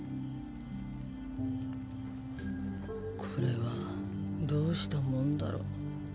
これはどうしたもんだろう。